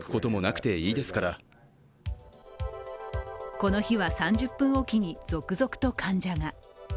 この日は３０分おきに続々と患者が。